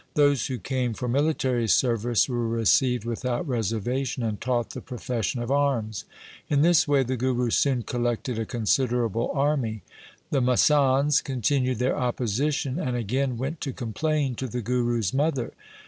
Those who came for military service were received without reservation, and taught the profession of arms. In this way the Guru soon collected a considerable army. The masands continued their opposition and again went to complain to the Guru's mother.